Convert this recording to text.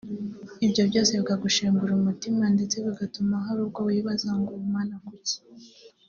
ibyo byose bikagushengura umutima ndetse bigatuma hari ubwo wibaza ngo “Mana ni kuki